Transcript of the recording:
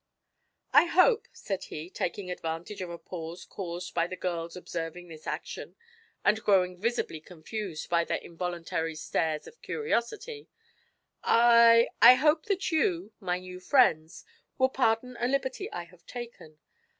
"I hope," said he, taking advantage of a pause caused by the girls observing this action, and growing visibly confused by their involuntary stares of curiosity; "I I hope that you, my new friends, will pardon a liberty I have taken.